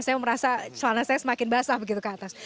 saya merasa celana saya semakin basah begitu ke atas